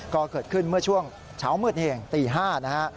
ก็เกิดขึ้นเมื่อช่วงเช้ามืดเองตี๕นะฮะ